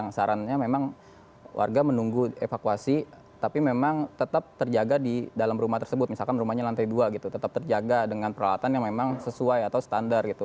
sarannya memang warga menunggu evakuasi tapi memang tetap terjaga di dalam rumah tersebut misalkan rumahnya lantai dua gitu tetap terjaga dengan peralatan yang memang sesuai atau standar gitu